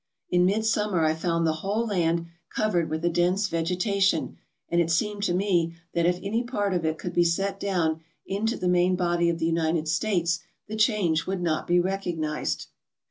In midsummer I found the whole land covered with a dense vegetation, and it seemed to me that if any part of it could be set down into the main body of the United States the change would not be recognized.